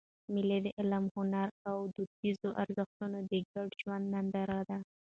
مېلې د علم، هنر او دودیزو ارزښتو د ګډ ژوند ننداره ده.